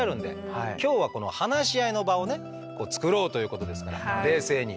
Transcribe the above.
今日はこの話し合いの場をねつくろうということですから冷静に。